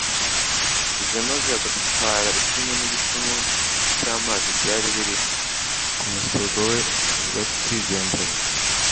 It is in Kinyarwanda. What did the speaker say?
ze, maze agatwara icumu n'igicuma cy'amazi byari biri ku musego we, bakigendera